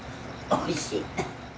おいしい。